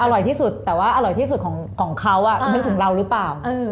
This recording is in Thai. อร่อยที่สุดแต่ว่าอร่อยที่สุดของเขานึกถึงเราหรือเปล่า